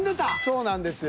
そうなんですよ。